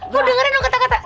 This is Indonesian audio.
gue dengerin dong kata kata